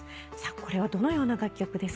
これはどのような楽曲ですか？